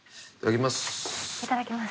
いただきます。